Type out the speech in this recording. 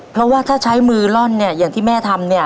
เพราะว่าถ้าใช้มือร่อนอย่างที่แม่ทำ